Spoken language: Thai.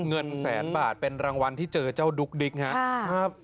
เงินแสนบาทเป็นเรื่องที่เจอเจ้าดุ๊กดิ๊กครับค่ะฮ่ะ